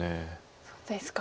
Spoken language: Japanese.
そうですか。